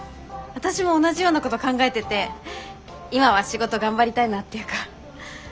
私も同じようなこと考えてて今は仕事頑張りたいなっていうか。